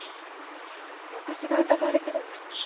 私が疑われてるんですか？